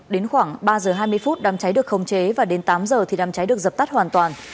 đến khoảng ba giờ hai mươi phút đám cháy được khống chế và đến tám giờ thì đám cháy được dập tắt hoàn toàn